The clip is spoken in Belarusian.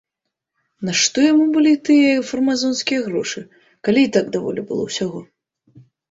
Нашто яму былі тыя фармазонскія грошы, калі і так даволі было ўсяго?